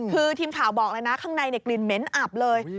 คือทีมข่าวบอกเลยนะข้างในกลิ่นเหม็นอับเลย